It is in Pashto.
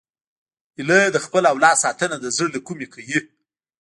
هیلۍ د خپل اولاد ساتنه د زړه له کومي کوي